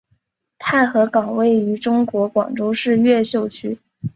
太和岗位于中国广州市越秀区。